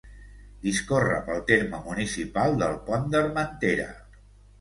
Discorre pel terme municipal del Pont d'Armentera.